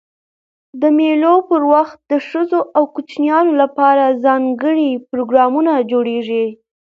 د مېلو پر وخت د ښځو او کوچنيانو له پاره ځانګړي پروګرامونه جوړېږي.